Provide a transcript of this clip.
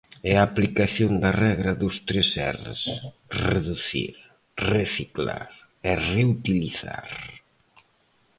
É a aplicación da regra dos tres erres: reducir, reciclar e reutilizar.